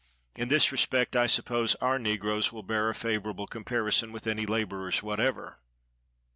In this respect I suppose our negroes will bear a favorable comparison with any laborers whatever.